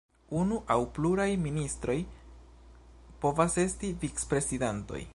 Unu aŭ pluraj ministroj povas esti vic-prezidantoj.